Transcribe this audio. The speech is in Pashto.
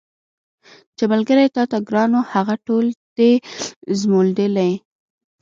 چي ملګري تاته ګران وه هغه ټول دي زمولېدلي